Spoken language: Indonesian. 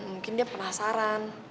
mungkin dia penasaran